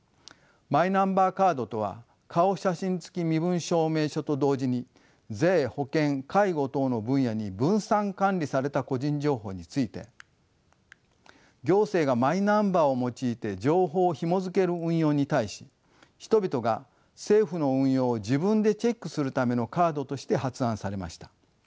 マイナンバーカードとは顔写真付き身分証明証と同時に税保険介護等の分野に分散管理された個人情報について行政がマイナンバーを用いて情報をひもづける運用に対し人々が政府の運用を自分でチェックするためのカードとして発案されました。